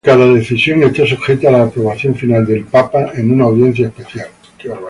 Cada decisión está sujeta a la aprobación final del Papa en una audiencia especial.